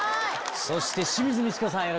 そして清水ミチコさん。